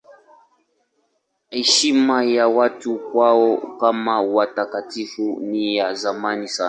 Heshima ya watu kwao kama watakatifu ni ya zamani sana.